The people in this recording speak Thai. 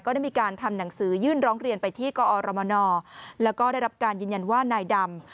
ได้มีการทำหนังสือยื่นร้องเรียนไปที่กอรมนแล้วก็ได้รับการยืนยันว่านายดำ